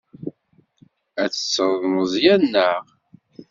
Ad tettreḍ Meẓyan, naɣ?